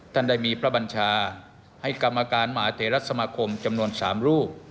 ท่านได้มีพระบัญชาให้กรรมการมหาเทรสมาคมจำนวน๓รูป